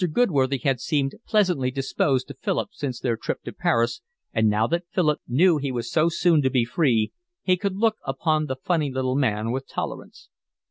Goodworthy had seemed pleasantly disposed to Philip since their trip to Paris, and now that Philip knew he was so soon to be free, he could look upon the funny little man with tolerance.